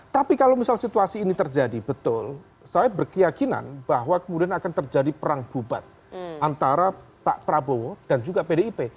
tapi kalau misal situasi ini terjadi betul saya berkeyakinan bahwa kemudian akan terjadi perang bubat antara pak prabowo dan juga pdip